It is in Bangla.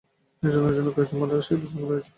একজনের কারণে কয়েন ভান্ডারের সেই বিশৃংখলা হয়েছিল।